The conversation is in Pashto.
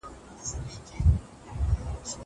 زه به سبا کتابتوننۍ سره وخت تېره کړم!